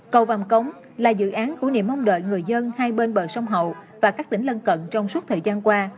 cầu vàm cống là dự án của niềm mong đợi người dân hai bên bờ sông hậu và các tỉnh lân cận trong suốt thời gian qua